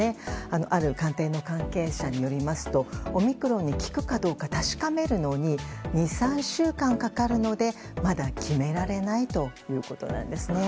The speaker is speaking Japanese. ある官邸の関係者によりますとオミクロンに効くかどうか確かめるのに２３週間かかるのでまだ決められないということなんです。